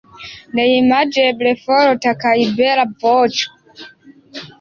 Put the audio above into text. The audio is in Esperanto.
Neimageble forta kaj bela voĉo.